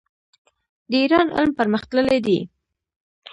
د ایران علم پرمختللی دی.